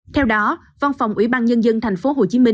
theo đó văn phòng ủy ban nhân dân tp hcm